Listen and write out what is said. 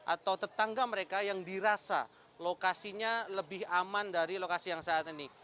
atau tetangga mereka yang dirasa lokasinya lebih aman dari lokasi yang saat ini